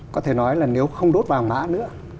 có thể nói là nếu không đốt vàng mã nữa